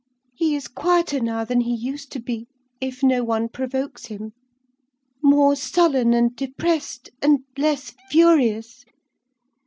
He is quieter now than he used to be, if no one provokes him: more sullen and depressed, and less furious.